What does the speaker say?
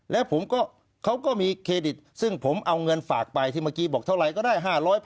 แล้วผมก็เขาก็มีเครดิตซึ่งผมเอาเงินฝากไปที่เมื่อกี้บอกเท่าไหร่ก็ได้๕๐๐